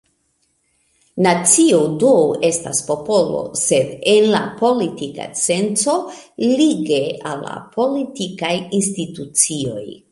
Nacio do estas popolo, sed en la politika senco, lige al la politikaj institucioj.